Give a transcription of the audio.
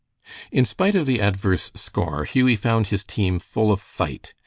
In spite of the adverse score Hughie found his team full of fight.